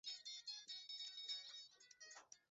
Vitu ambavyo vimetumiwa na mnyama mgonjwa katika kujikuna